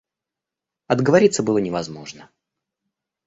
Отговориться было невозможно.